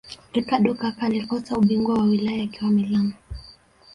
ricardo kaka alikosa ubingwa wa ulaya akiwa Milan